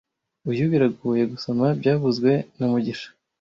Uyu biragoye gusoma byavuzwe na mugisha